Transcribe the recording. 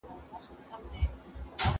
کېدای سي کتاب اوږد وي،